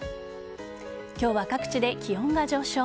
今日は各地で気温が上昇。